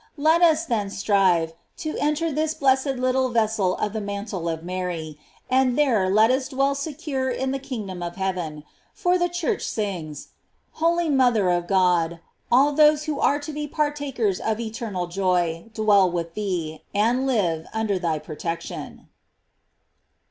Let us, then, strive to enter this blessed little vessel of the mantle of Mary, and there let us dwell secure of the kingdom of heaven; for the Church sings, "Holy mother of God, all those who are to be partakers of eternal joy dwell with thee, and live under thy protection."